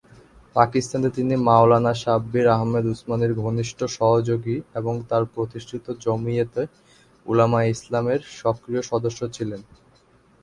পাকিস্তানে তিনি মাওলানা শাব্বির আহমদ উসমানির ঘনিষ্ঠ সহযোগী এবং তাঁর প্রতিষ্ঠিত জমিয়তে উলামায়ে ইসলামের সক্রিয় সদস্য ছিলেন।